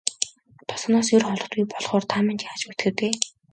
Тосгоноосоо ер холддоггүй болохоор та минь ч яаж мэдэх вэ дээ.